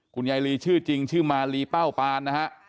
คุณยายลีชื่อจริงชื่อมาลีเป้าปานนะฮะ